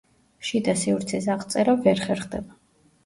შიდა სივრცის აღწერა ვერ ხერხდება.